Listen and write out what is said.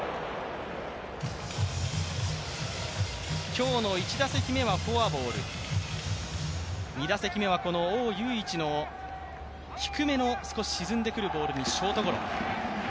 今日の１打席目はフォアボール、２打席目はオウ・ユイイチの低めの少し沈んでくるボールにショートゴロ。